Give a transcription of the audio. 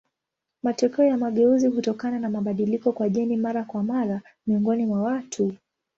Matokeo ya mageuzi hutokana na mabadiliko kwa jeni mara kwa mara miongoni mwa watu.